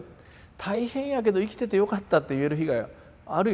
大変やけど生きててよかったって言える日があるよ。